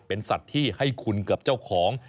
เป็นสัตว์ที่ให้คุณกับเจ้าของ